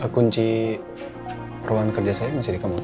kunci ruang kerja saya masih di kamu